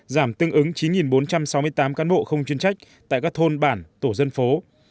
giảm tương ứng chín bốn trăm sáu mươi tám cán bộ không chuyên trách tại các thôn bản tổ dân phố